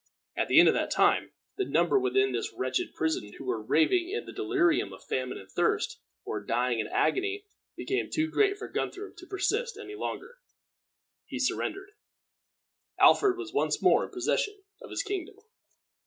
At the end of that time, the number within this wretched prison who were raving in the delirium of famine and thirst, or dying in agony, became too great for Guthrum to persist any longer. He surrendered. Alfred was once more in possession of his kingdom.